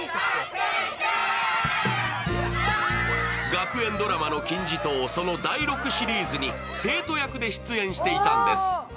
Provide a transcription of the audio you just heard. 学園ドラマの金字塔、その第６シリーズに生徒役で出演していたんです。